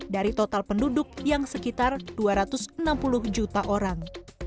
dari total penduduk yang sekitar dua ratus enam puluh juta orang